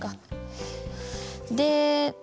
で